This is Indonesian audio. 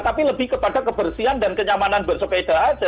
tapi lebih kepada kebersihan dan kenyamanan bersepeda aja